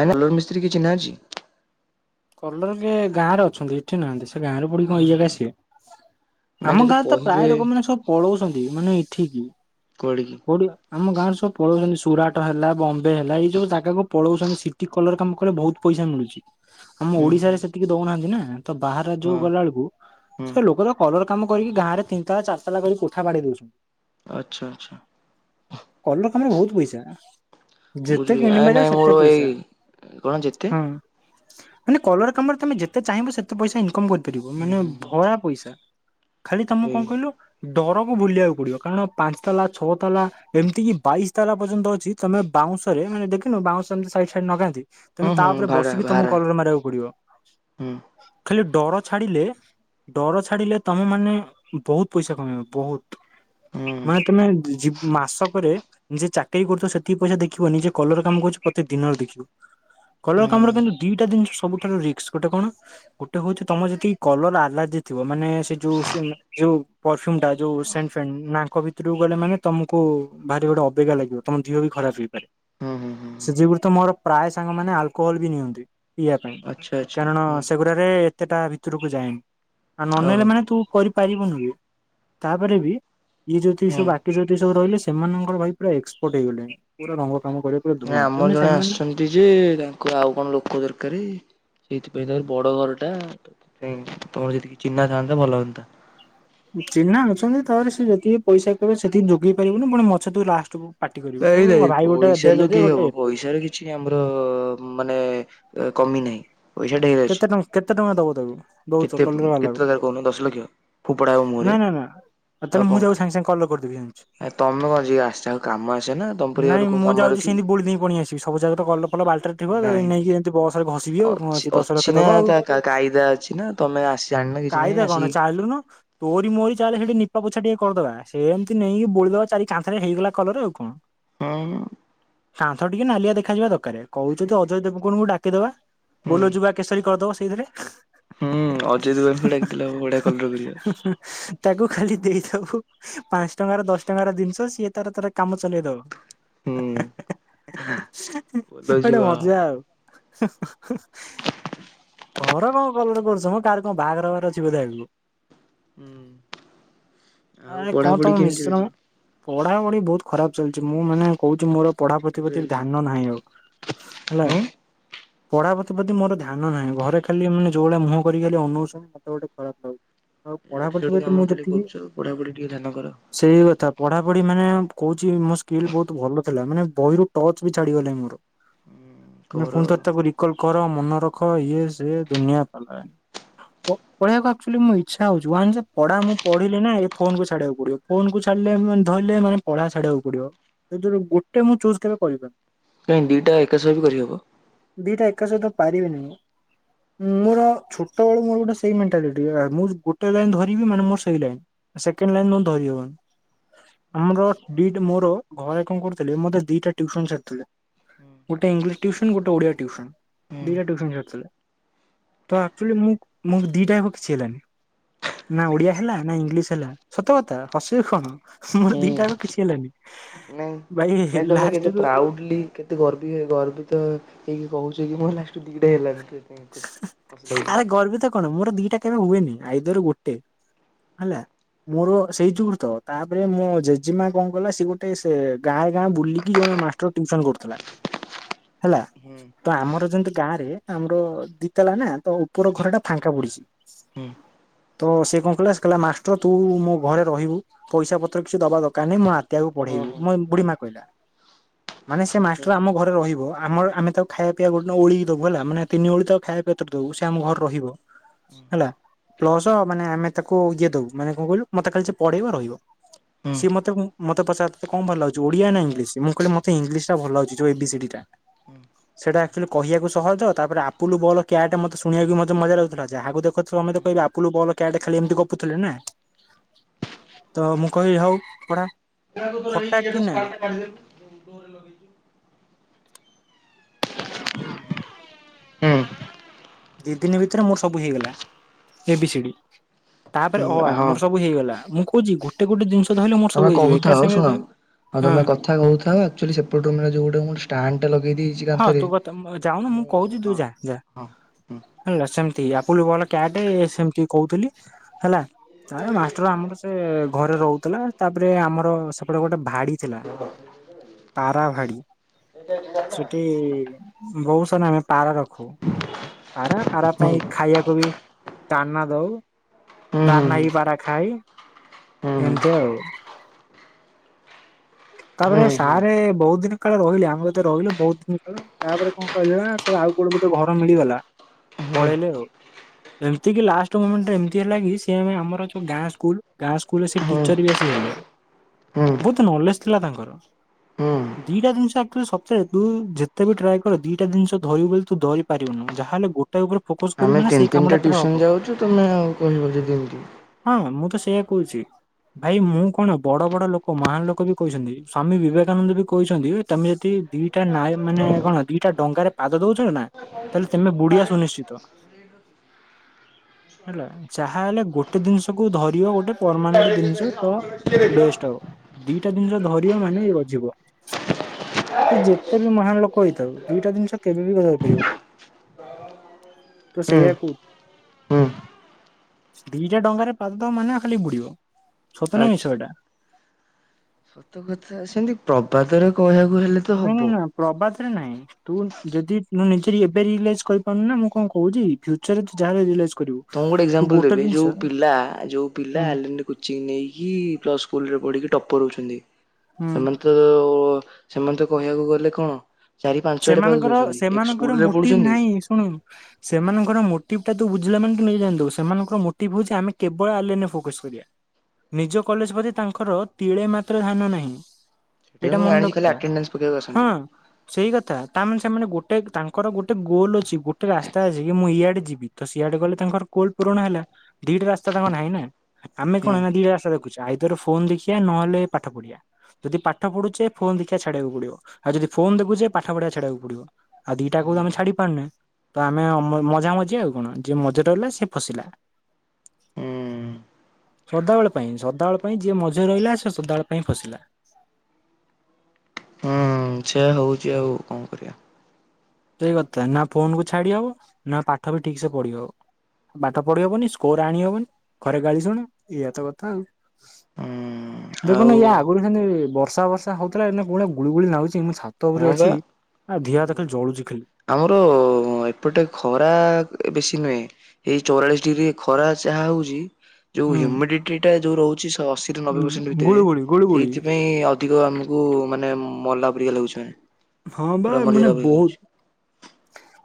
ଆଇଲୋର ମିସ୍ତ୍ରୀ କିଏ ଚିହ୍ନା ଅଛି? କଲର କିଏ ଗାଁରେ ଅଛନ୍ତି ଏଠି ନାହାନ୍ତି ସେ ଗାଁରେ କଣ ଏଇ ଜାଗା ଆସିବେ ନାଇଁ ଆମ ଯଦି ଗାଁରେ ତ କହିବେ ପ୍ରାୟ ଲୋକମାନେ ସବୁ ପଳଉଛନ୍ତି ମାନେ ଏଠିକି। କୁଆଡେ କି? ଆମ ଗାଁ ରେ ସବୁ ପଳଉଛନ୍ତି ସୁରାଟ ହେଲା ବମ୍ବେ ହେଲା ଏଇ ସବୁ ଜାଗାକୁ ପଳଉଛନ୍ତି ସି କଲର କାମ କଲେ ବହୁତ ପଇସା ମିଳୁଛି। ଆମ ହୁଁ ଓଡିଶାରେ ହୁଁ ସେତିକି ଦଉନାହାନ୍ତି ନା ତ ବାହାର ରାଜ୍ୟକୁ ହଁ ଗଲାବେଳକୁ ହୁଁ ସେ ଲୋକ ତ କଲର କାମ କରିକି ଗାଁ ରେ ତିନି ତାଲା ଚାରି ତାଲା କରିକି କୋଠା ବାଡେଇ ଦଉଛନ୍ତି। ଆଚ୍ଛା ଆଚ୍ଛା। କଲର କାମରେ ବହୁତ ପଇସା। ଯେତେ ବୁଝିଲି ଆ ନାଇଁ କିଣିପାରିବ ମୋର ସେତେ ପଇସା ଏଇ କଣ ଯେତେ ହଁ। ମାନେ କଲର କାମ ରେ ତମେ ଯେତେ ଚାହିଁବ ସେତେ ପଇସା ଇନକମ୍ କରିପାରିବ ହୁଁ ମାନେ ହୁଁ ହୁଁ ଭରା ପଇସା। ଖାଲି ତମ କଣ ସେଇ କହିଲୁ ଡରକୁ ବୁଲିବାକୁ ପଡିବ କାରଣ ପାଞ୍ଚ ତାଲା ଛଅ ତାଲା ଏମିତି କିି ବାଇଶି ତାଲା ପର୍ଯ୍ୟନ୍ତ ଅଛି। ତମେ ବାଉଁଶରେ ମାନେ ଦେଖିନୁ ବାଉଁଶ ଏମତି ସାଇଡ୍ ସାଇଡ ନଗାନ୍ତି ତମେ ହୁଁ ତା ହୁଁ ଉପରେ ଭାଡା ବସିକି ତମକୁ ଭାରା କଲର ମାରିବାକୁ ହୁଁ [inaudible] ଖାଲି ଡର ଛାଡିଲେ ଡର ଛାଡିଲେ ତମେ ମାନେ ବହୁତ୍ ପଇସା କମେଇବ ବହୁତ୍। ହୁଁ ହୁଁ ମାନେ ତମେ ଯି ମାସକରେ ଯିଏ ଚାକିରି କରୁଥିବ ସେତିକି ପଇସା ଦେଖିବନି ଯିଏ କଲର କାମ କରୁଛି ସେ ପ୍ରତି ଦିନରେ ଦେଖିବ। କଲର କାମର ହୁଁ କିନ୍ତୁ ଦିଟା ଜିନିଷ ସବୁଠାରୁ ରିକ୍ସ ଗୋଟେ କଣ ଗୋଟେ ହଉଛି ତମର ଯଦି କି କଲର ଆଲାଜି ଥିବ ମାନେ ସେ ଯୋଉ ଯୋଉ ପରଫୁମ୍ ଟା ଯଉ ସେନ୍ଟ ଫେଣ୍ଟ ନ ଆଙ୍କ କିତକୁ ଗଲେ ମାନେ ତମକୁ ଭାରି ଗୋଟେ ଅବାଗିଆ ଲାଗିବ ତମ ଦେହ ବି ଖରାପ ହେଇପାରେ। ହୁଁ ହୁଁ ହୁଁ ସେଥିଗୁରୁ ତ ମୋର ପ୍ରାୟ ସାଙ୍ଗ ମାନେ ଆଲକୋହଲ ବି ନିଅନ୍ତି। ପିଇବା ଆଚ୍ଛା ଆଚ୍ଛା କାରଣ ହୁଁ ସେଗୁଡା ଏତେଟା ଭିତରକୁ ଯାଏନି ଆଉ ନ ନେଲେ ଓହୋ ମାନେ ତୁ କରି ପାରିବୁନୁ ବି ତାପରେ ବି ଏ ଯୋଉ ଏଇ ହୁଁ ସବୁ ଆ ଏଠି ସବୁ ରହିଲେ ସେମାନଙ୍କର ଭାଇ ପୁରା ଏକ୍ସପର୍ଟ ହେଇଗଲେଣି ପୁରା ରଙ୍ଗ କାମ କରିବା ପୁରା ନାଇଁ ଆମର ଧୂଆଁ ଜଣେ ସେମାନେ ଆସିଛନ୍ତି ଯେ ତାଙ୍କୁ ଆଉ କଣ ଲୋକ ଦରକାର ସେଇଥିପାଇଁ ତାଙ୍କର ବଡ ଘର ଟା। ତା ପାଇଁ ତମ ଯିଏ ଚିହ୍ନାଥାନ୍ତା ଭଲ ହୁଅନ୍ତା। ଚିହ୍ନା ଅଛନ୍ତି ତାପରେ ସେ ଯେତିକି ପଇସା କହିବେ ସେତିକି ଯୋଗେଇ ପାରିବୁନି ପୁଣି ମତେ ତୁ ଲାଷ୍ଟକୁୁ ନାଇଁ ନାଇଁ ପଇସା ଯୋଗେଇ ହବ ପଇସାରେ କି କିଛି ଆମର ମାନେ କମି ନାହିଁ। ପଇସାଟିକେ ହେଇଯାଇଛି କେତେ ଟଙ୍କା କେତେ ଟଙ୍କା ଦବ ତାକୁ ଦଉଛ କେତେ କଲର ବାଲାକୁ କେତେ ହଜାର କହୁନୁ ଦଶ ଲକ୍ଷ। ପୁପଡ଼ା ହବ ମୁହଁ ରେ। ସେତେବେଳେ ମୁଁ ତାକୁ ସାଙ୍ଗେ ସାଙ୍ଗେ କଲର କରିଦେବି ଜାଣି ଆ ତମେ କଣ ଯିଏ ଆସେ ଯାଆକୁ କାମ ଆସେ ନା। ତମ ପରିକା ନାଇଁ ଲୋକଙ୍କୁ ମୁଁ କାମରେ ଯାଉଛି ରଖିବୁ ସେନ୍ତି ବୋଳି ଦେଇକ ପଣି ଆସିବି। ସବୁ ଜାଗ ତ କଲର ଫଲର ବାଲଟି ରେ ଥିବ ନେଇକି ଏମିତି ବସରେ ଘସିବି। ଅ ଅଛି ନା ତା କାଇଦା ଅଛି ନା। ତମେ ଆସି ଜାଣି ନା କି କାଇଦା କଣ ଚାଲୁନ ତୋରି ମୋରି ଚାଲେ ସେଠି ନିପା ପୋଛା ଟିକେ କରିଦବା। ସେମିତି ନେଇକି ବୋଳିଦବା ଚାରି କାନ୍ଥରେ ହେଇଗଲା କଲର ଆଉ କଣ। ହଁ। କାନ୍ଥ ଟିକେ ନାଲିଆ ଦେଖାଯିବା ଦରକାର। କହୁଛୁ ଯଦି ଅଜୟ ଦେବଗନଙ୍କୁ ଡାକିଦବା। ହୁଁ ବୋଲ ଯୁବା କେଶରୀ କରିଦବ ସେଇଥିରେ। ହୁଁ, ଅଜୟ ଦେବଗନକୁ ଡାକିଦେଲେ ହବ ବଢିଆ କଲର କରିବ। [unintelligible] ତାକୁ ଖାଲି ଦେଇଦବୁ ପାଞ୍ଚ ଟଙ୍କା ର, ଦଶ ଟଙ୍କାର ଜିନିଷ ସିଏ ତାର ତାର କାମ ଚଲେଇ ଦବ। ହୁଁ ବୋଲୋ ଗୋଟେ ଜୁଆନ୍ ମଜା ଆଉ। ଘର କଣ କଲର କରୁଛ ମ? କାହାର କଣ ବାହାଘର ହବାର ଅଛି ବୋଧେ ଆଗକୁ? ହୁଁ ଆଉ ଆରେ କଣ ପଢାପଢି ତମ କେମିତି ମିଶ୍ର ମ? ଚାଲିଛି ପଢ଼ାପଢ଼ି ବହୁତ ଖରାପ ଚାଲିଛି। ମୁଁ ମାନେ କହୁଛି ମୋର ପଢା ଠିକ୍ ଠାକ୍ ପ୍ରତିପତି ଚାଲିଛି ଧ୍ୟାନ ନାହିଁ ଆଉ। ହେଲା ହୁଁ। ପଢା ପ୍ରତିପତି ମୋର ଧ୍ୟାନ ନାହିଁ ଆଉ। ଘରେ ଖାଲି ମାନେ ଯୋଉ ଭଳିଆ ମୁହଁ କରିକି ଖାଲି ଅନୁଉଛନ୍ତି ମତେ ଗୋଟେ ଖରାପ ଲାଗୁଛି। ଆଉ ପଢା ଇଆଡେ ପ୍ରତି ସିଆଡୁ ପ୍ରତି କାମ ମୁଁ ଖାଲି ଯେତିକି କରୁଛ, ପଢାପଢି ଟିକେ ଧ୍ୟାନ କର। ସେଇ କଥା ପଢା ପଢି ମାନେ କହୁଛି ମୋ ସ୍କିଲ୍ ବହୁତ ଭଲ ଥିଲା। ମାନେ ବହିରୁ ଟଚ ବି ଛାଡ଼ି ଗଲାଣି ମୋର। କର ପୁଣିଥରେ ତାକୁ ରିକଲ କର, ମନେ ରଖ ଇଏ ସେ ଦୁନିଆ ପାଲା। ପଢିବାକୁ ଆକ୍ଚୁଆଲି ମୋର ଇଛା ହଉଛି। ୱାନସ ଏ ପଢା ମୁଁ ପଢିଲେ ନା ଏ ଫୋନ କୁ ଛାଡିବାକୁ ପଡିବ। ଫୋନ କୁ ଛାଡିଲେ ମୁଁ ଧଇଲେ ମାନେ ପଢା ଛାଡିବାକୁ ପଡିବ। ଏଥରୁ ଗୋଟେ ମୁଁ ଚୁଜ କେବେ କରିପାରୁନି। କାଇଁ ଦିଟା ଏକା ସହ ବି କରିହବ। ଦିଟା ଏକା ସହିତ ପାରିବିନି ମୁଁ। ମୋର ଛୋଟବେଳୁ ମୋର ଗୋଟେ ସେଇ ମେଣ୍ଟାଲିଟି, ମୁଁ ଗୋଟେ ଲାଇନ ଧରିବି ମାନେ ମୋର ସେଇ ଲାଇନ। ସେକେଣ୍ଡ ଲାଇନ ନ ହେଲେ ଧରି ହବନି। ଆମର ଦି ମୋର ଘରେ କଣ କରୁଥିଲେ, ମୋତେ ଦିଟା ଟିଉସନ ଛାଡୁଥିଲେ। ଗୋଟେ ଇଂଲିଶ ଟିଉସନ ଗୋଟେ ଓଡିଆ ଟିଉସନ, ହୁଁ ଦିଟା ଟିଉସନ ଛାଡୁଥିଲେ। ତ ଆକଚୁଆଲି ମୁଁ-ମୁଁ ଦିଟାଅକ କିଛି ହେଲାନି। ନା ଓଡିଆ ହେଲା, ନା ଇଂଲିଶ ହେଲା, ସତ କଥା ହସିବି କଣ। ମୋର ହୁଁ ଦିଟାକ କିଛି ହେଲାନି। ନାଇଁ ଭାଇ ନାଇଁ ତମେ ଲାଷ୍ଟ କେତେ କୁ ପ୍ରାଉଡ଼ କେତେ ଗର୍ବୀ ଗର୍ବିତ ହେଇକି କହୁଛି କି ମୁଁ ଲାଷ୍ଟକୁ ଦିଇଟା ହେଲାନି। ଖୁସି ଖୁସି ଲାଗିଲା। ଆରେ ଗର୍ବିତ କଣ? ମୋର ଦିଟା କେବେ ହୁଏନି ଆଇଦର ଗୋଟେ। ହେଲା? ମୋର ସେଇ [unintelligible] ତ। ତାପରେ ମୋ ଜେଜେମା କଣ କଲା ସିଏ ଗୋଟେ ଗାଁ ଗାଁ ବୁଲିକି ଜଣେ ମାଷ୍ଟର ଟ୍ୟୁସନ କରୁଥିଲା। ହେଲା ହୁଁ ତ ଆମର ଯେମତି ଗାଁରେ ଆମ ଦିତାଲା ନା ତ ଉପର ଘର ଟା ଫାଙ୍କା ପଡିଛି। ହୁଁ। ତ ସେ କଣ କଲା ସେ କହିଲା ମାଷ୍ଟର ତୁ ମୋ ଘରେ ରହିବୁ। ପଇସା ପତ୍ର କିଛି ଦବା ଦରକାର ନାହଁ। ମୋ ନାତିଆ କୁ ହୁଁ ପଢେଇବୁ। ହୁଁ ମୋ ବୁଢୀମା କହିଲା। ମାନେ ସେ ହୁଁ ମାଷ୍ଟର ଆମ ଘରେ ରହିବ, ଆମର ଆମେ ତାକୁ ଖାଇବା ପିବା ଗୋଟେ ଓଳିଏ ଦବୁ। ହେଲା ମାନେ ତିନି ଓଳି ତାକୁ ଖାଇବା ପେତରେ ଦବୁ। ସେ ଆମ ଘର ରହିବ। ହେଲା ପ୍ଲସ ମାନେ ଆମେ ତାକୁ ଇଏ ଦବୁ ମାନେ କଣ କହିଲୁ ମତେ ଖାଲି ସେ ପଢେଇବ ରହିବ। ହୁଁ ସିଏ ମତେ ମତେ ପଚାରି ଥିଲେ, ତତେ କଣ ଭଲ ଲାଗୁଛି? ଓଡିଆ ନା ଇଂଲିଶ? ମୁଁ କହିଲି ମତେ ଇଂଲିଶଟା ଭଲ ଲାଗୁଛି ଯୋଉ ଏ ବି ସି ଡି ଟା। ହୁଁ ହୁଁ। ସେଇଟା ଆକ୍ଚୁଆଲି କହିବାକୁ ସହଜ ତାପରେ ଆପୁଲୁ ବଲ କ୍ୟାଟା ମତେ ଶୁଣିବାକୁ ମଧ୍ୟ ମଜା ଲାଗୁଥିଲା ଯାହାକୁ ଦେଖ ସମସ୍ତେ କହିବେ ଆପୁଲୁ ବଲ କ୍ୟାଟ୍ ଖେଳି ଏମିତି ଗପୁଥିଲିନା ତମୁଁ କହିଲି ହଉ ପଢା ଫଟା କିନା [unintelligible] ହୁଁ। ଦି ଦିନି ଭିତରେ ମୋର ସବୁ ହେଇଗଲା ଏ ବି ସିଡି। ହୁଁ ତାପରେ ଅ ଆ ହୁଁ ହଁ ମୋର ସବୁ ହେଇଗଲା ମୁଁ କହୁଚି ଗୋଟେ ଗୋଟେ ଜିନିଷ ଧଇଲେ ମୁଁ ତମେ କହୁଥାଅ ଶୁଣ ଆଉ ତମେ କଥା କହୁଥାଅ ଆକ୍ଚୁଆଲି ସେପଟ ରୁମରେ ଯୋଉ ଗୋଟେ ମୁଁ ଷ୍ଟାଣ୍ଡେଟେ ଲଗେଇ ଦେଇିଚି ହଁ ତୁ କଥା ଯାଉନ ମୁଁ କହୁଚି ତୁ ଯା ଯା। ହଁ ହେଲା ସେମିତି ଆପୁଲୁ ବଲ କ୍ୟାଟ ସେମିତି କହୁଥିଲି ହେଲା ତାପରେ ମାଷ୍ଟର ଆମର ସେ ସେ ଘରେ ରହୁଥିଲା ତାପରେ ଆମର ସେପଟେ ଗୋଟେ ଭାଡ଼ି ଥିଲା ପାରାଭାଡ଼ି ଏଇଟା ଡ଼ିଲା ସେଠି ବହୁସାରା ଆମେ ପାରା ରଖୁ। ପାରା ପାରା ପାଇଁ ଖାଇବାକୁବି ଦାନା ଦଉ। ହୁଁ ହୁଁ ଦାନାଇ ପାରା ଖାଇ ହୁଁ ଏମିତି ଆଉ। ତାପରେ ହୁଁ ହୁଁ ସାରେ ବହୁତ୍ ଦିନ କାଳେ ରହିଲେ ଆମେ କତୀରେ ରହିଲେ। ବହୁତ୍ ଦିନି ପରେ ତାପରେ କଣ କହିଲେନାସେ ଆଉ କୋଉଠି ବୋଧେ ଘର ମିଳିଗଲା ପଳେଇଲେ ଆଉ। ଏମିତିକିି ଲାଷ୍ଟ ମୁମେଣ୍ଟ ଏମିତି ହେଲାକି ସେଆମର ଯୋଉ ଗାଁ ସ୍କୁଲ୍ ଗାଁ ସ୍କୁଲରେ ସେଟିଚରବି ହୁଁ ଆସି ହେଲେ। ବହୁତ୍ ନଲେଜ ଥିଲା ତାଙ୍କର ହୁଁ ଦିଟା ଜିନିଷ ଆକ୍ଚୁଲି ସତରେ ତୁ ଯେତେବି ଟ୍ରାଏ କର ଦିଟା ଦିନିଷ ଧରିବୁ ବୋଲି ତୁଧରି ପାରିବୁନୁ ଯାହେଲେ ଗୋ ଗୋଟେ ଉପରେ ଫୋକସ୍ ଆମେ ତିନି ତିନିଟା ଟ୍ୟୁସନ୍ ଯାଉଚୁ ତୁମେ ଆଉ କହିବ ଯଦି ଏମିତି ହଁ ମୁଁତ ସେଇଆ କହୁଚି। ଭାଇ ମୁଁ କଣ ବଡ଼ ବଡ଼ ଲୋକ ମହାନ ଲୋକବି କହିଚନ୍ତି ସ୍ଵାମୀ ବିବେକାନନ୍ଦବି କହିଚନ୍ତି ତମେ ଯଦି ଦିଟା ନାଏ ମାନେ କଣ ଦିଟା ଡଙ୍ଗାରେ ପାଦ ଦଉଚନ୍ତିନା ତାହେଲେ ତମେ ବୁଡ଼ିବା ସୁନିଶ୍ଚିତ। [inaudible] ହେଲା ଯାହା ହେଲେ ଗୋଟେ ଦିନିଷକୁ ଧରିବ ଗୋଟେ ପରମାନେଣ୍ଟ ଦିନିଷ ତ ବେଷ୍ଟ ହବ ଦିଟା ଦିନିଷ ଧରିବ ମାନେ ଏଇ ଯିବ। ସେ ଯେତେବି ମହାନ ଲୋକ ହେଇଥାଉ ଦିଟା ଜିନିଷ କେବେବି ହେଇ ପାରିବନି। ତ ହୁଁ ସେଇଆ କ ହୁଁ ଦିଟା ଡଙ୍ଗାରେ ପାଦ ମାନେ ଖାଲି ବୁଡ଼ିବ ସତନା ଆଚ୍ଛା ମିଛ ଏଇଟା? ସତ କଥା ସେମିତି ପ୍ରବାଦରେ କହିବାକୁ ହେଲେ ତ ନାଁ ହବ ନା ପ୍ରବାଦରେ ନାହିଁ। ତୁ ଯଦି ମୁନିଜର ଏବେ ରିିଅଲାଇଜ୍ କରିପାରୁନୁନା ମୁଁ କଣ କହୁଚି ଫ୍ୟୁଚରରେ ତୁ ଯାହାହେଲେ ରିଅଲାଇଜ୍ କଣ ଗୋଟେ ଏକ୍ଜାମ୍ପଲ ଦେବି ଯୋଉ ପିଲା ଯୋଉ ପିଲା ହୁଁ ଆଲି କୋଚିଂ ନେଇକି ପ୍ଲସ୍ ସ୍କୁଲ୍ ରେ ପଢିକି ଟପର୍ ହୋଉଚନ୍ତି ହୁଁ ସେମାନେ ତ ସେମାନେତ କହିବାକୁ ଗଲେ କଣ ଚାରି ପାଞ୍ଚ ଆଡେ ପାଦ ସେମାନଙ୍କର ଦଉଛନ୍ତି ଏକ ସେମାନଙ୍କର ସ୍କୁଲରେ ମୋଟିଭ୍ ପଢୁଛନ୍ତି ନାହିଁ ଶୁଣୁ ସେମାନଙ୍କର ମୋଟିଭ୍ଟା ତୁବୁଝିଲା ମାନେ ତୁନିଯେ ଜାଣିଦବୁ ସେମାନଙ୍କର ମୋଟିଭ୍ ହଉଚି ଆମେ କେବଳ ଆଲେନ୍ରେ ଫୋକସ୍ କରିବା। ନିଜ କଲେଜ୍ ପ୍ରତି ତାଙ୍କର ତିଳେ ମାତ୍ର ଧ୍ୟାନ ନାହିଁ। ସେଥିପାଇଁ ଏଇଟା ମୁଁ ମନ ଜାଣିଛି ଖାଲି ରଖିଥା ଆଟେଣ୍ଡାନ୍ସ ପକେଇବାକୁ ହଁ ଆସନ୍ତି। ସେଇ କ ତାମାନେ ସେମାନେ ଗୋଟେ ତାଙ୍କର ଗୋଟେ ଗୋଲ ଅଛି ଗୋଟେ ରାସ୍ତା ଅଛିକି ମୁଁ ଇଆଡ଼େ ଯିବି ତସିଆଡ଼େ ଗଲେ ତାଙ୍କର ଗୋଲ୍ ପୁରାଣ ହେଲା ଦିଟା ରାସ୍ତା ତାଙ୍କର ନାହିଁନା ଆମେ କଣ ହୁଁ ନା ଦିଟା ରାସ୍ତା ଦେଖୁଚୁ ଆ ଆଇଦର୍ ଫୋନ୍ ଦେଖିବା ନହେଲେ ପାଠ ପଢିବା। ଯଦି ପାଠ ପଢୁଛେ ଫୋନ ଦେଖିବା ଛାଡିବାକୁ ପଡିବ ଆଉ ଯଦି ଫୋନ ଦେଖୁଛେ ପାଠ ପଢିବା ଛାଡିବାକୁ ପଡିବ। ଆଉ ଦିଟାକୁ ତ ଆମେ ଛାଡି ପାରୁନେ। ତ ଆମେ ଅମ ମଝା ମଝି ଆଉ କଣ ଯିଏ ମଝଟ ହେଲା ସିଏ ଫସିଲା। ହୁଁ ସଦାବେଳ ପାଇଁ ସଦାବେଳ ପାଇଁ ଯିଏ ମଝିରେ ରହିଲା ସେ ସଦାବେଳ ପାଇଁ ଫସିଲା। ଉଁ ସେଇଆ ହଉଛି ଆଉ କଣ କରିବି। ଗୋଟେ କଥା ନା ଫୋନକୁ ଛାଡି ହବ ନା ପାଠ ବି ଠିକସେ ପଢି ହବ। ପାଠ ପଢିହବନି ସ୍କୋର ଆଣି ହବନି ଘରେ ଗାଳି ଶୁଣୁ ଏଇଆ ତ କଥା ଆଉ। ହୁଁ ଦେଖୁନୁ ଆଉ ଇଏ ଆଗରୁ ସେମିତି ବର୍ଷା ବର୍ଷା ହଉଥିଲା ଏଇନା କୋଉଭଳିଆ ଗୁଳିଗୁଳି ନାଗୁଛି ମୁଁ ଛା ତ ଉପରେ ହଁ ଅଛି ଆ ଧିଅ ହାତ ଖାଲି ଜଳୁଛି ଖାଲି। ଆମର-ଅ-ଅ-ଅ ଏପଟେ ଖରା ବେଶୀ ନୁହେଁ। ଏଇ ଚଉରାଳିଶ ଡିଗ୍ରୀ ଖରା ଯାହା ହଉଛି ଯୋଉ ହୁଁ ହ୍ୟୁମିଡିଟିଟା ଯୋଉ ରହୁଛି ସେ ଅଶୀରୁ ନବେ ପରସେଣ୍ଟ ଗୁଳୁ ଭିତରେ ଗୁଳି ଗୁଳୁ ଗୁଳି। ସେଇଥିପାଇଁ ଅ ଅଧିକ ଆମକୁ ମାନେ ମଲା ପରିକା ଲାଗୁଛି ମାନେ ହଁ ବା ପୁରା ମାନେ ମରିଗଲା ପରିକା ବହୁତ ଲାଗୁଛି।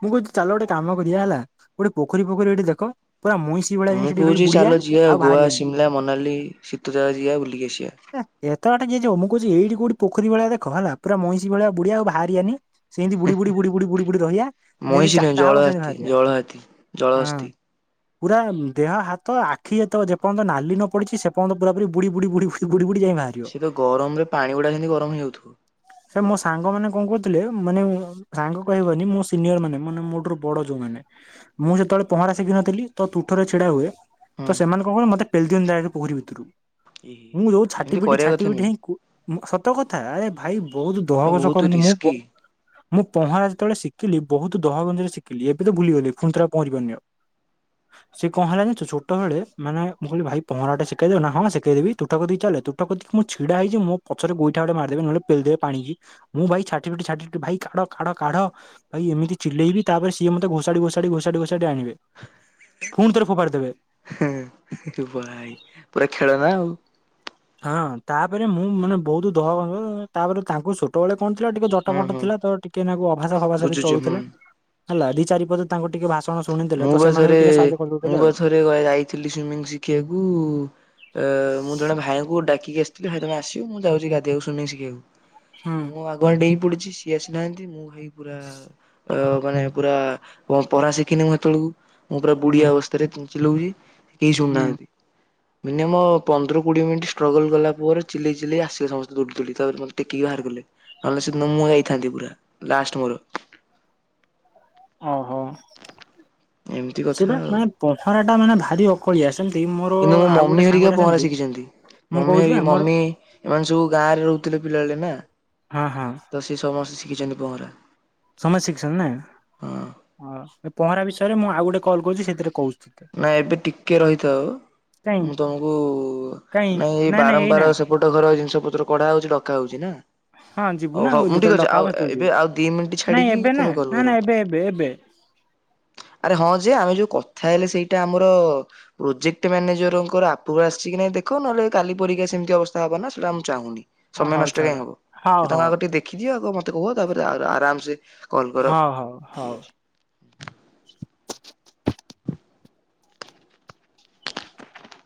ମୁଁ କହୁଛି ଚାଲ ଗୋଟେ କାମ କରିବା ହେଲା ଗୋଟେ ପୋଖରୀ ଫୋଖରୀ ଗୋଟେ ଦେଖ ପୁରା ମଇଁଷି ଭଳିଆ ଯାଇ ମୁଁ ସେଠି ଖାଲି କହୁଛି ବୁଡିଆ ଚାଲ ଯିିବା ଆଉ ଗୋଆ ବାହାରିଆନି। ସିମଲା ମନାଲି ଶୀତ ଜାଗା ଯିିବା ବୁଲିକି ଆସିବା। ଏ ଏତେ ବାଟ କିଏ ଯିବ, ମୁଁ କହୁଛି ଏଇଠି କୋଉଠି ପୋଖରୀ ଭଳିଆ ଦେଖ ହେଲା ପୁରା ମଇଁଷି ଭଳିଆ ବୁଡିବା ଆଉ ଭାଆରିଆନି। ସେମିତି ବୁଡି-ବୁଡି-ବୁଡି-ବୁଡି-ବୁଡି-ବୁଡି ରହିବା ଯେମିତି ମଇଁଷି ନୁହେଁ ଚାରଟା ଜଳ ହବ ସେମିତି ହାତୀ ଭାଆରିବା ଜଳ ହାତୀ ଜଳ ହସ୍ତି। ହଁ। ପୁରା ଦେହ ହାତ ଆଖି ଏତ ଯେପର୍ଯ୍ୟନ୍ତ ନାଲି ନ ପଡିଚି ସେପର୍ଯ୍ୟନ୍ତ ପୁରା ପୁରି ବୁଡି-ବୁଡି-ବୁଡି-ବୁଡି [inaudible] ବୁଡି-ବୁଡି ଯାଇଁ ବାହାଏ। ସେ ତ ଗରମରେ ପାଣିଗୁଡା ଯେମିତି ଗରମ ହେଇଯାଉଥିବ। ସାର୍ ମୋ ସାଙ୍ଗମାନେ କଣ କହୁଥିଲେ ମାନେ ସାଙ୍ଗ। କହିବନି ମୋ ସିନିୟରମାନେ, ମାନେ ମୋଠରୁ ବଡ ଯୋଉମାନେ ମୁଁ ଯେତେବେଳେ ପହଁରା ଶିଖିିନଥିଲି ତ ତୁଠରେ ଛିଡା ହୁଏ ହଁ ତ ସେମାନେ କଣ କରନ୍ତି ମତେ ପେଲିଦିଅନ୍ତି ଦାଇରେକ୍ଟ ପୋଖରୀ ଭିତରୁକୁ, ଇ ମୁଁ ଯୋଉ ଛାଟି ସେମିତି ପିଟି କରିବା ଛାଟି କଥା ପିଟି ନୁହେଁ। ହେଇ କୂ ମୁଁ ସତ କଥା ଏ ଭାଇ ବହୁତ ଏ ଦହଗଞ୍ଜ ବହୁତ କରନ୍ତି ମୁଁ ପ ରିସ୍କି ମୁଁ ପହଁରା ଯେ ଯେତେବେଳେ ଶିଖିଲି ବହୁତ ଦହଗଞ୍ଜରେ ଶିଖିଲି ଏବେ ତ ଭୁଲିଗଲି ଫୁଣି ଥରେ ଆଉ ପହଁରି ପାରୁନି ଆଉ। ସେ କଣ ହେଲା ଜାଣିଛୁ, ଛୋଟବେଳେ ମାନେ ମୁଁ କହିଲି ଭାଇ ପହଁରାଟେ ଶିଖେଇ ଦିଅ ନା, ହଁ ମୁଁ ଶିଖେଇ ଦେବି ତୁଠ କତିକି ଚାଲେ ତୁ ତୁଠ କତିକି ମୁଁ ଛିଡା ହେଇଚି ମୋ ପଛରେ ଗୋଇଠା ଗୋଟେ ମାରି ଦେବେ ନହେଲେ ପେଲି ଦେବେ ପାଣିକି। ମୁଁ ଭାଇ ଛାଟିପିଟି-ଛାଟିପିଟି, ଭାଇ କାଢ-କାଢ-କାଢ। ଭାଇ ଏମିତି ଚିଲେଇବି ତାପରେ ସିଏ ମତେ ଘୋଷାଡି-ଘୋଷାଡି-ଘୋଷାଡି-ଘୋଷାଡି ଆଣିବେ। ଫୁଣି ଥରେ ଫୋପାଡି ଦେବେ। ହେଁ, ଏ ଭାଇ ପୁରା ଖେଳନା ଆଉ। ହଁ ତାପରେ ମୁଁ ମାନେ ବହୁତୁ ଦହଗଞ୍ଜ, ତାପରେ ତାଙ୍କୁ ଶୁ ସେତବେଳେ କଣ ଥିଲା ଟିକେ ହୁଁ ଜଟଫଟ ହୁଁ ଥିଲା ତ ଟିକେନାକୁ ଅଭାଷା ଫଭାଷା ବି ବୁଝୁଛି ହୁଁ ଚଳୁଥିଲା। ହେଲା ଦି ଚାରିପଦ ତାଙ୍କୁ ଟିକେ ଭାଷ୍ ମୁଁ ପା ଥରେ ମୁଁ ପା ଆଉ। ଥରେ ଯାଇଥିଲି ସୁଇମିଂ ଶିଖିବାକୁ ଏ-ଏ ମୁଁ ଜଣେ ଭାଇଙ୍କୁ ଡାକିକି ଆସ୍ [inaudible] ଭାଇ ତମେ ଆସିବ ମୁଁ ଯାଉଚି ଗାଧେଇବାକୁ ସୁଇମିଙ୍ଗ୍ ଶିଖିବାକୁ ହୁଁ ମୁଁ ଆଉ ଆଗୁଆ ଡେଇଁ ପଡିଚି ସିଏ ଆସିନାହାନ୍ତି ମୁଁ ଭାଇ ପୁରା ଆ ଅ-ଅ କଣ ହେଇ ପୁରା ପ ପଁରା ଶିଖିନି ମୁଁ ସେତେବେଳକୁ ମୁଁ ପୁରା ହୁଁ ବୁଡିଆ ଅବସ୍ଥାରେ ଚି ଚିଲଉଚି କେହି ହୁଁ ଶୁଣୁନାହାନ୍ତି। ମିନିମମ୍ ପନ୍ଦର କୋଡିଏ ମିନିଟ୍ ଷ୍ଟ୍ରଗଲ୍ କଲା ପରେ ଚିଲେଇ ଚିଲେଇ ଆସିଲେ ସମସ୍ତେ ଦୌଡ଼ି ଦୌଡ଼ି ତାପରେ ମତେ ଟେକିକି ବାହାର କଲେ। ନହେଲେ ସେଦିନ ମୁଁ ଯାଇଥାନ୍ତି ପୁରା ଲାଷ୍ଟ୍ ମୋର। ଓହୋ ଏମିତି ସେ କଥା ବା ଆଉ ମାନେ ପଥରଟା ମାନେ ଭାରି ହ କଳିଆ ସେମତି ମୋର କିନ୍ତୁ ମୋ ଆଉ ମମି ଗୋଟେ ହେରିକା ସାଙ୍ଗଟା ପହଁରା ସେମିତି। ଶିଖିଛନ୍ତି। ମୁଁ ମମି କହୁଛି ବା ଏଇ ମୋର ମମି ଏମାନେ ସବୁ ଗାଁ ରେ ରହୁଥିଲେ ପିଲାଦିନେ। ହଁ ହଁ। ତ ସେ ସମସ୍ତେ ଶିକିଚନ୍ତି ପହଁରା। ସମସ୍ତେ ଶିକିଚନ୍ତି ହଁ। ନାଁ ଅ ପହଁରା ବିଷୟରେ ମୁଁ ଆଉ ଗୋଟେ କଲ୍ କରୁଚି ସେଥିରେ କହୁଚି। ନା ଏବେ ଟିକେ ରହିଥାଅ କାଇଁ ମୁଁ ତମକୁ ନାଇଁ ଏ ବାରମ୍ବାର ସେପଟୁ ଟ ଘର ଜିନିଷ ପତ୍ର କଢା ହଉଚି ଡକା ହଉଚି ନା। ହଁ ଯିବୁ ହଉ ନା ହଉ ଆଉ ମୁଁ ଠିକ୍ ଯେତେବେଳେ ଅଛି ଡକା ହବ ଆଉ ସେତେବେଳେ ଯିବୁ ଏବେ ଆଉ ଦି ମିଣ୍ଟି ନାଇଁ ଛାଡିକି ଏବେ ନା ତମେ କଲ୍ ନା ନା କର। ଏବେ ଏବେ ଏବେ ଆରେ ହଁ ଯେ ଆମେ ଯଉ କଥା ହେଲେ ସେଇଟା ଆମର ପ୍ରୋଜେକ୍ଟ୍ ମ୍ୟାନେଜରଙ୍କର ଆପ୍ରୁଭାଲ୍ ଆସିଚି କି ନାଇଁ ଦେଖ ନହେଲେ କାଲି ପରୀକ୍ଷା ସେମିତି ଅବସ୍ଥା ହବ ନା ସେଇଟା ମୁଁ ଚାହୁଁନି। ସମୟ ହଉ ନଷ୍ଟ ଛାଡ କାଇଁ ହବ ହଉ ସେ ତାଙ୍କୁ ହଉ ଆଗ ଟିକେ ଦେଖିଦିଅ ଆ- ମତେ କୁହ ତାପରେ ଆରାମ୍ ସେ କଲ୍ କର ହଉ ହଉ ଫ୍ରି ହଉ। ଅଛି।